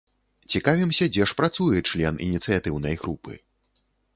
Цікавімся, дзе ж працуе член ініцыятыўнай групы.